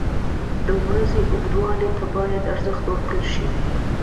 • د ورځې اوږدوالي ته باید ارزښت ورکړل شي.